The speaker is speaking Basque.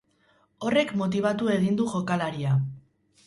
Horrek motibatu egin du jokalaria.